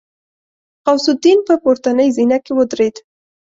غوث الدين په پورتنۍ زينه کې ودرېد.